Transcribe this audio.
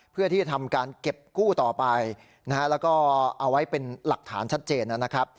เพื่อที่จะทำการเก็บกู้ต่อไปนะฮะแล้วก็เอาไว้เป็นหลักฐานชัดเจนนะครับ